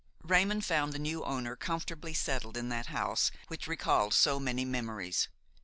Raymon found the new owner comfortably settled in that house which recalled so many memories.